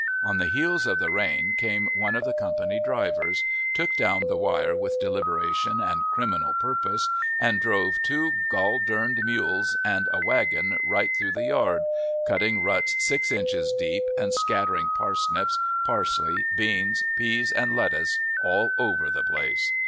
On the heels of the rain came one of the company drivers, took down the wire with deliberation and criminal purpose, and drove two goldarned mules and a wagon right through that yard, cutting ruts six inches deep and scattering parsnips, parsley, beans, peas, and lettuce all over the place.